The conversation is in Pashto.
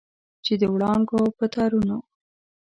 چې د وړانګو په تارونو